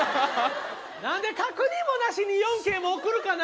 何で確認もなしに４京も送るかな。